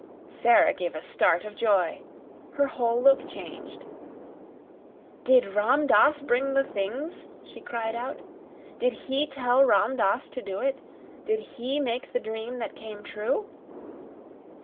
Sara gave a start of joy; her whole look changed. "Did Ram Dass bring the things?" she cried out. "Did he tell Ram Dass to do it? Did he make the dream that came true?"